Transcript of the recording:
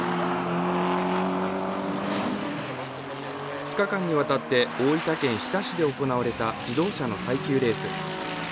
２日間にわたって大分県日田市で行われた自動車の耐久レース。